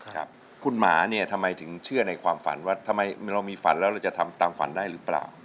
ครับคุณหมาเนี่ยทำไมถึงเชื่อในความฝันว่าทำไมเรามีฝันแล้วเราจะทำตามฝันได้หรือเปล่า